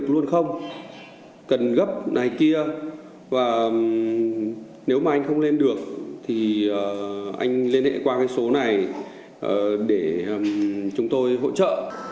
cần gấp này kia và nếu mà anh không lên được thì anh liên hệ qua cái số này để chúng tôi hỗ trợ